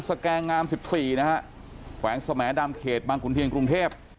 สแกงงามสิบสี่นะฮะแขวงสแหมดำเขตบางคุณเพียงกรุงเทพ